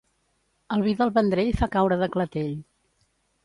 El vi del Vendrell fa caure de clatell.